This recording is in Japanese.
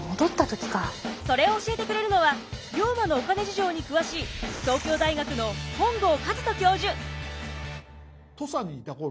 それを教えてくれるのは龍馬のお金事情に詳しい東京大学の本郷和人教授！